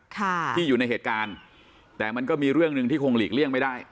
ค่ะที่อยู่ในเหตุการณ์แต่มันก็มีเรื่องหนึ่งที่คงหลีกเลี่ยงไม่ได้